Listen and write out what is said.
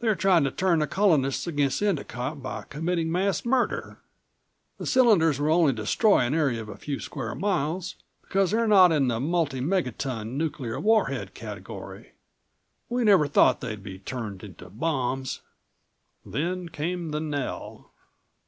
They're trying to turn the Colonists against Endicott by committing mass murder. The cylinders will only destroy an area of a few square miles, because they're not in the multiple megaton, nuclear warhead category. We never thought they'd be turned into bombs." Then came the knell.